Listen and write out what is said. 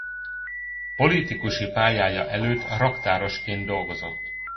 Politikusi pályája előtt raktárosként dolgozott.